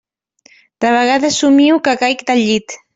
De vegades somio que caic del llit.